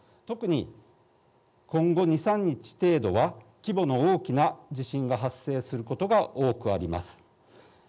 特に今後２、３日程度は規模の大きな地震が発生することが多くあります。